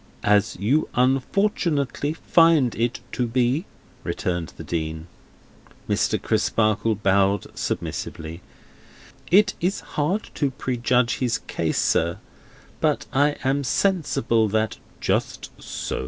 "As you unfortunately find it to be," returned the Dean. Mr. Crisparkle bowed submissively: "It is hard to prejudge his case, sir, but I am sensible that—" "Just so.